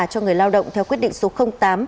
cho người lao động theo quyết định số tám